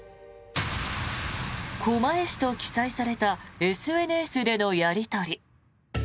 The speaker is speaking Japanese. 狛江市と記載されたＳＮＳでのやり取り。